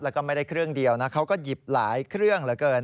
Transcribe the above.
แล้วก็ไม่ได้เครื่องเดียวนะเขาก็หยิบหลายเครื่องเหลือเกิน